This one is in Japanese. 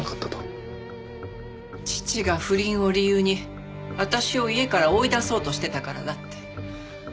義父が不倫を理由に私を家から追い出そうとしてたからだって。